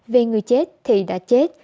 về người chết thì đã chết